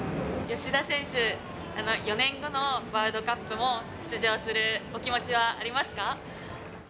吉田選手、４年後のワールドカップも出場するお気持ちはありますか。